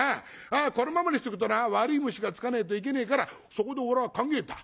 このままにしとくとな悪い虫がつかねえといけねえからそこで俺は考えた。